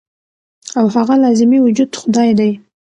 او هغه لازمي وجود خدائے دے -